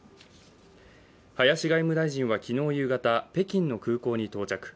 林外務大臣は昨日夕方北京の空港に到着。